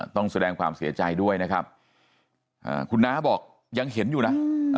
ต้องแสดงความเสียใจด้วยนะครับคุณน้าบอกยังเห็นอยู่นะ